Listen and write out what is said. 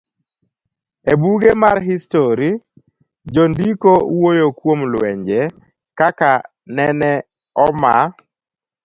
E buge mag histori, jondiko wuoyo kuom lwenje, kaka nene oma